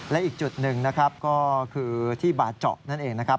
และอีกจุดหนึ่งนะครับก็คือที่บาเจาะนั่นเองนะครับ